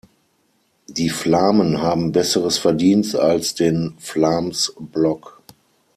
Die Flamen haben besseres verdient als den Vlaams Blok.